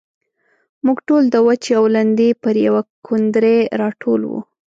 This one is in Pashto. موږ ټول د وچې او لندې پر يوه کوندرې راټول وو.